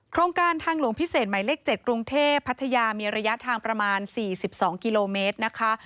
โครงการทางหลวงพิเศษหมายเลข๗กรุงเทพพัทยามีระยะทางประมาณ๔๒กิโลเมตรนะคะ